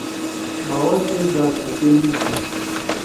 باوا تیس ڈاکٹر کے نُو۔